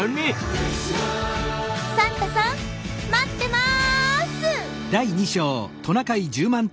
サンタさん待ってます！